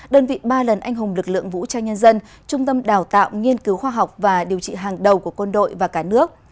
đơn vị ba lần anh hùng lực lượng vũ trang nhân dân trung tâm đào tạo nghiên cứu khoa học và điều trị hàng đầu của quân đội và cả nước